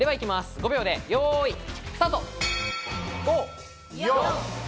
５秒で、よい、スタート！